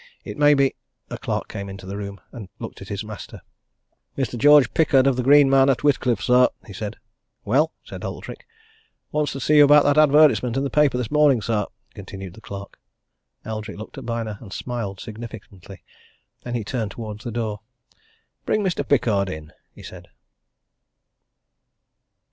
It may be " A clerk came into the room and looked at his master. "Mr. George Pickard, of the Green Man at Whitcliffe, sir," he said. "Well?" asked Eldrick. "Wants to see you about that advertisement in the paper this morning, sir," continued the clerk. Eldrick looked at Byner and smiled significantly. Then he turned towards the door. "Bring Mr. Pickard in," he said.